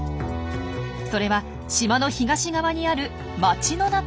それは島の東側にある町の中。